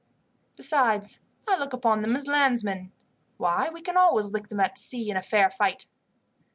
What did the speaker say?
Besides, I look upon them as landsmen. Why, we can always lick them at sea in a fair fight."